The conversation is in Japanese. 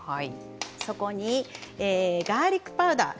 そこにガーリックパウダー。